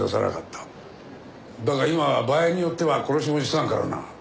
だが今は場合によっては殺しも辞さんからな。